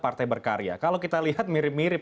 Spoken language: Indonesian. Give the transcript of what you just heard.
partai berkarya kalau kita lihat mirip mirip